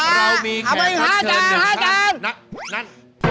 เรามีแขกภัดเพิ่มนะครับนั่น